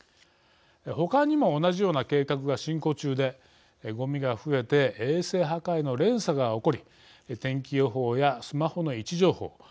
ほかにも同じような計画が進行中でごみが増えて衛星破壊の連鎖が起こり天気予報やスマホの位置情報